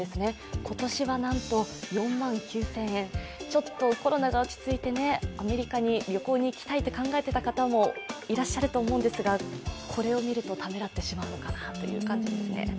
ちょっとコロナが落ち着いてアメリカに旅行に行きたいと思う方もいらっしゃると思うんですが、これをみるとためらってしまうのかなという感じですね。